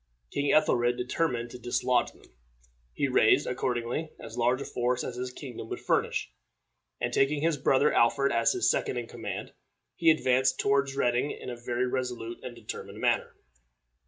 King Ethelred determined to dislodge them. He raised, accordingly, as large a force as his kingdom would furnish, and, taking his brother Alfred as his second in command, he advanced toward Reading in a very resolute and determined manner.